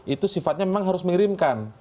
itu sifatnya memang harus mengirimkan